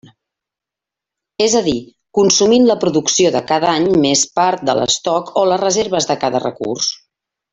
És a dir, consumint la producció de cada any més part de l'estoc o les reserves de cada recurs.